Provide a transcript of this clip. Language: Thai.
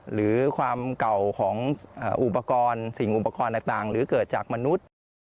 หรือความเก่าของอุปกรณ์สิ่งอุปกรณ์ต่างหรือเกิดจากมนุษย์